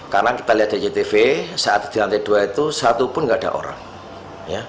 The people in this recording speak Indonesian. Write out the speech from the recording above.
karena kita lihat di jtv saat di lantai dua itu satu pun gak ada